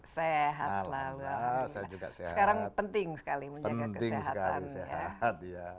sehat lah sekarang penting sekali menjaga kesehatan